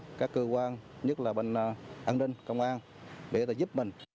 báo các cơ quan nhất là bàn an ninh công an để giúp mình